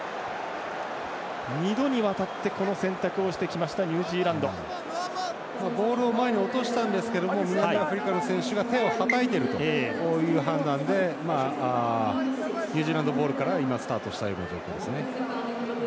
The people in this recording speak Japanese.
二度にわたってこの選択をしてきたボールを前に落としたんですが南アフリカの選手が手をはたいているという判断でニュージーランドボールからスタートした状況ですね。